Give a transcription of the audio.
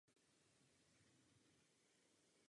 Název je zkrácením jména Santa Anna.